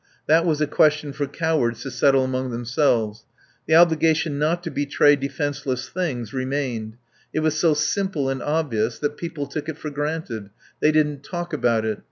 That was a question for cowards to settle among themselves. The obligation not to betray defenceless things remained. It was so simple and obvious that people took it for granted; they didn't talk about it.